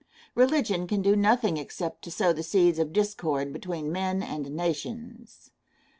Religion can do nothing except to sow the seeds of discord between men and nations.